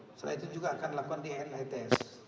setelah itu juga akan dilakukan di nits